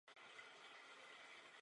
Angličtina se píše latinkou.